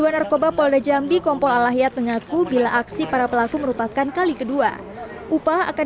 dua narkoba polda jambi kompol alahyat mengaku bila aksi para pelaku merupakan kali kedua upah akan